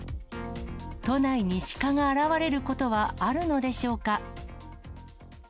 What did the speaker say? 都内にシカが現れることはあるのでしょうか。